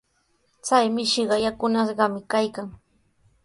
Chay mishiqa yakunashqami kaykan.